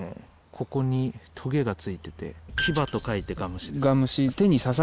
ここにトゲがついてて「牙」と書いて牙虫です。